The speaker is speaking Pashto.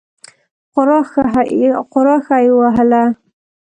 خورا ښه یې وهله.